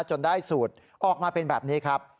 จนได้สูตรออกมาเป็นแบบนี้ครับ